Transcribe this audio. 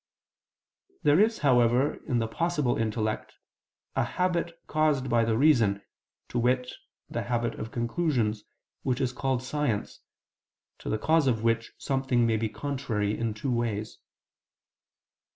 There is, however, in the "possible" intellect a habit caused by the reason, to wit, the habit of conclusions, which is called science, to the cause of which something may be contrary in two ways.